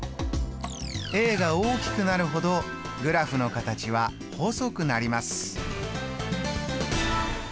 が大きくなるほどグラフの形は細くなります。